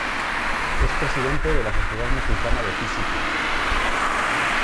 Es presidente de la Sociedad Mexicana de Física.